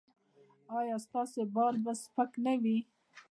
ایا ستاسو بار به سپک نه وي؟